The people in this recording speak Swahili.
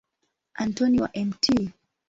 Antoni wa Mt.